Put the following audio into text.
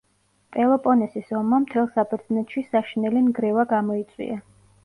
პელოპონესის ომმა მთელ საბერძნეთში საშინელი ნგრევა გამოიწვია.